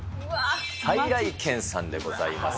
菜来軒さんでございます。